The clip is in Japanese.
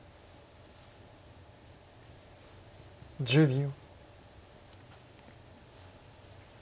１０秒。